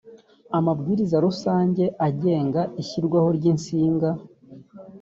amabwiriza rusange agenga ishyirwaho ry insinga